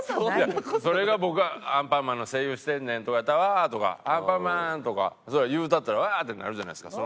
「僕『アンパンマン』の声優してんねん」とかやったら「わ！」とか「アンパンマーン！」とかそれは言うたったら「わ！」ってなるじゃないですか